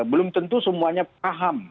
belum tentu semuanya paham